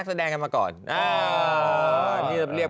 เก่งเก่งเก่งเก่ง